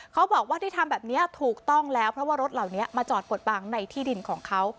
เขาบอกว่าที่ทำแบบนี้ถูกต้องแล้วเพราะว่ารถเหล่านี้มาจอดกดบังในที่ดินของเขา